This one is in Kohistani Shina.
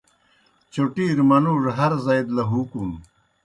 چوٹِیر منُوڙوْ ہر زائی دہ لہُوکُن۔